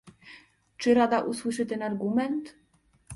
Czy Rada usłyszy ten argument?